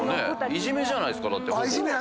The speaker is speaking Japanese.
いじめじゃないですかだって。